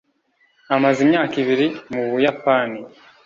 Amaze imyaka ibiri mu Buyapani.